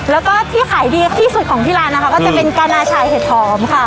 แล้วก็ที่ขายดีที่สุดของที่ร้านนะคะก็จะเป็นกานาชายเห็ดหอมค่ะ